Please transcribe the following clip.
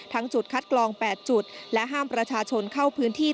จุดคัดกรอง๘จุดและห้ามประชาชนเข้าพื้นที่